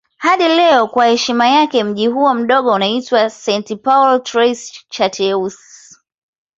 Hadi leo kwa heshima yake mji huo mdogo unaitwa St. Paul Trois-Chateaux.